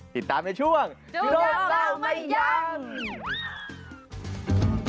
ติดตามในช่วงจูโดเวลาไว้ยัง